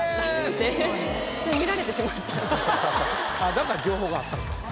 だから情報があったんか。